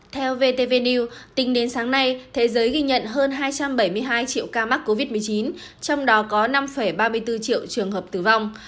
theo vtv new tính đến sáng nay thế giới ghi nhận hơn hai trăm bảy mươi hai triệu ca mắc covid một mươi chín trong đó có năm ba mươi bốn triệu trường hợp tử vong